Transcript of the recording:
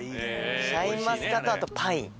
シャインマスカットとあとパイン。